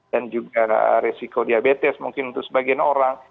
dan juga resiko diabetes mungkin untuk sebagian orang